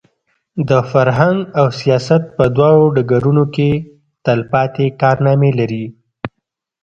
د فرهنګ او سیاست په دواړو ډګرونو کې تلپاتې کارنامې لري.